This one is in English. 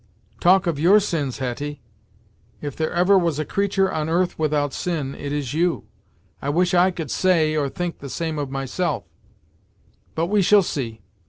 "Talk of your sins, Hetty! If there ever was a creature on earth without sin, it is you! I wish I could say, or think the same of myself; but we shall see.